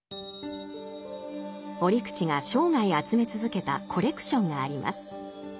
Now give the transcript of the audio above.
折口が生涯集め続けたコレクションがあります。